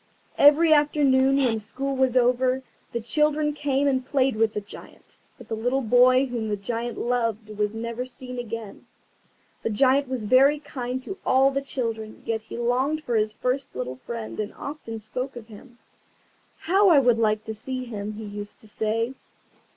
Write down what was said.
Every afternoon, when school was over, the children came and played with the Giant. But the little boy whom the Giant loved was never seen again. The Giant was very kind to all the children, yet he longed for his first little friend, and often spoke of him. "How I would like to see him!" he used to say.